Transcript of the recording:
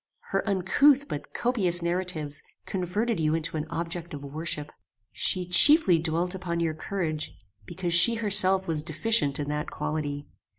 Her uncouth but copious narratives converted you into an object of worship. She chiefly dwelt upon your courage, because she herself was deficient in that quality.